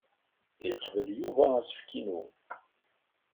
Yeqbel Yuba asefk-inu.